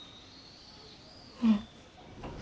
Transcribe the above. うん。